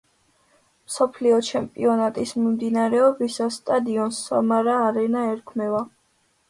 მსოფლიო ჩემპიონატის მიმდინარეობისას სტადიონს სამარა არენა ერქმევა.